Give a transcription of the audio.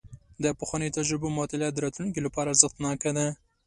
د پخوانیو تجربو مطالعه د راتلونکي لپاره ارزښتناکه ده.